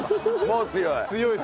もう強い。